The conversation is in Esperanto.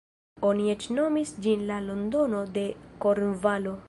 Oni eĉ nomis ĝin "La Londono de Kornvalo".